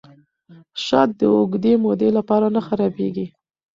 شات د اوږدې مودې لپاره نه خرابیږي.